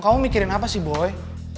kamu mikirin apa sih boy